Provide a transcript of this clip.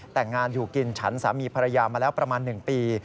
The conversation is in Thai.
แต่งงานอยู่กินฉันสามีภรรยามาแล้วประมาณ๑ปี